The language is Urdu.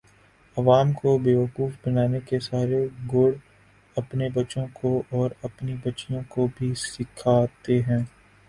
عوام کو بیوقوف بنانے کے سارے گُر اپنے بچوں کو اور اپنی بچیوں کو بھی سیکھاتے ہیں